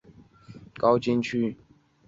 出生于神奈川县川崎市高津区。